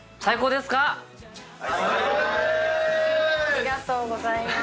ありがとうございます。